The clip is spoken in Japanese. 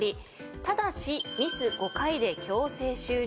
ただしミス５回で強制終了